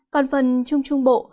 còn phần trung trung bộ